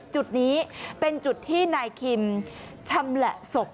จุดนี้เป็นจุดที่นายคิมชำแหละศพ